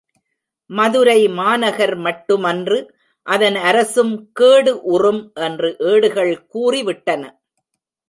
மதுரை மாநகர் மட்டுமன்று அதன் அரசும் கேடு உறும் என்று ஏடுகள் கூறி விட்டன.